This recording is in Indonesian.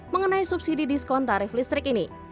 mengenai subsidi diskon tarif listrik ini